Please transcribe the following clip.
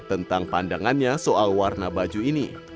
tentang pandangannya soal warna baju ini